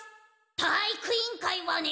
体育委員会はね